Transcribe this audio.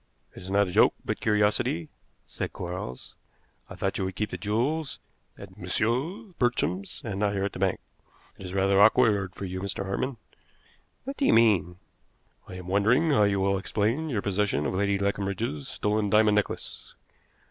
"It is not a joke, but curiosity," said Quarles. "I thought you would keep the jewels at Messrs. Bartrams and not here at the bank. It is rather awkward for you, Mr. Hartmann." "What do you mean?" "I am wondering how you will explain your possession of Lady Leconbridge's stolen diamond necklace."